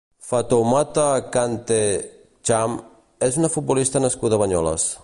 Fatoumata Kanteh Cham és una futbolista nascuda a Banyoles.